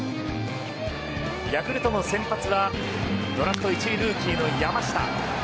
ヤクルトの先発はドラフト１位ルーキーの山下。